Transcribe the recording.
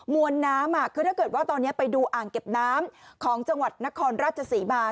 วนน้ำคือถ้าเกิดว่าตอนนี้ไปดูอ่างเก็บน้ำของจังหวัดนครราชศรีมา